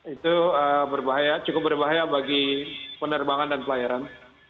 itu cukup berbahaya bagi penerbangan dan pelayaran